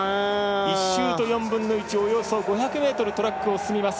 １周と４分の１、およそ５００ｍトラックを進みます。